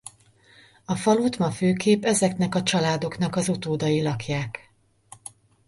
A falut ma főképp ezeknek a családoknak az utódai lakják.